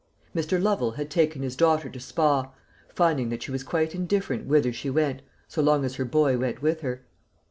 Mr. Lovel had taken his daughter to Spa, finding that she was quite indifferent whither she went, so long as her boy went with her.